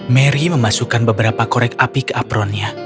mary memasukkan beberapa korek api ke apronnya